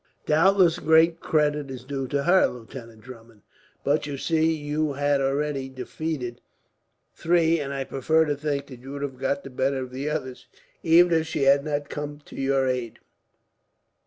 "Doubtless great credit is due to her, Lieutenant Drummond; but you see, you had already defeated three, and I prefer to think that you would have got the better of the others, even if she had not come to your aid.